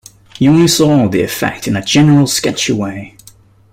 He saw only the effect in a general, sketchy way.